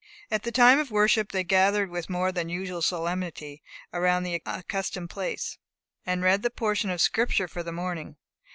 At the time of worship they gathered with more than usual solemnity around the accustomed place, and read the portion of Scripture for the morning.